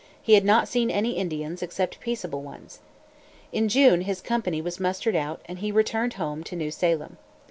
He had not seen any Indians, except peaceable ones. In June his company was mustered out, and he returned home to New Salem.